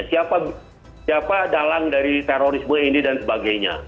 siapa dalang dari terorisme ini dan sebagainya